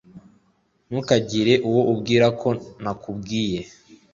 ntukagire uwo ubwira ko nakubwiye